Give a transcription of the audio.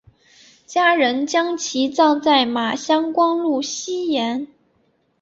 家人将其葬在马乡官路西沿。